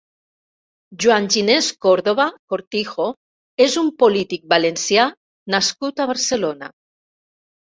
Juan Ginés Córdoba Cortijo és un polític valencià nascut a Barcelona.